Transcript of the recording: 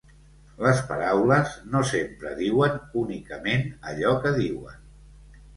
Les paraules no sempre diuen únicament allò que diuen.